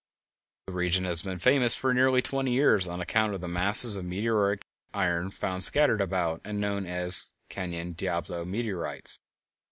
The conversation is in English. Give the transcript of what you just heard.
The region has been famous for nearly twenty years on account of the masses of meteoric iron found scattered about and known as the "Canyon Diablo" meteorites.